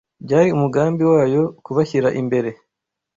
byari umugambi wayo kubashyira imbere